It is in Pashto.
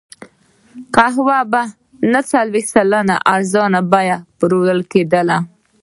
قهوه په نهه څلوېښت سلنه ارزانه بیه پېرل کېده.